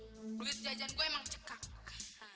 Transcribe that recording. dulu duit jajan gua emang cekak